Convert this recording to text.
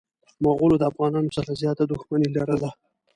مغولو د افغانانو سره زياته دښمني لرله.